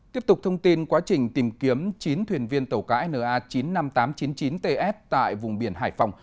tiếp tục thông tin quá trình tìm kiếm chín thuyền viên tàu cãi na chín mươi năm nghìn tám trăm chín mươi chín ts tại vùng biển hải phòng